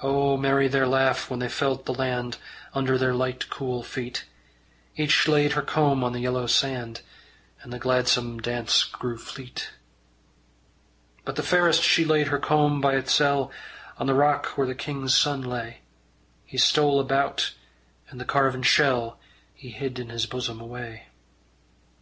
O merry their laugh when they felt the land Under their light cool feet! Each laid her comb on the yellow sand, And the gladsome dance grew fleet. But the fairest she laid her comb by itsel' On the rock where the king's son lay. He stole about, and the carven shell He hid in his bosom away.